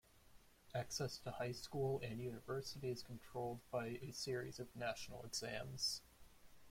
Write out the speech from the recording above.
Access to high school and university is controlled by a series of national exams.